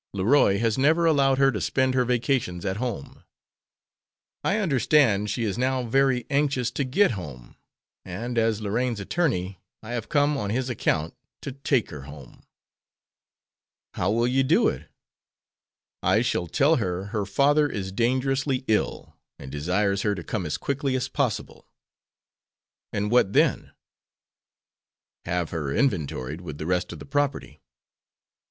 Leroy has never allowed her to spend her vacations at home. I understand she is now very anxious to get home, and, as Lorraine's attorney, I have come on his account to take her home." "How will you do it?" "I shall tell her her father is dangerously ill, and desires her to come as quickly as possible." "And what then?" "Have her inventoried with the rest of the property."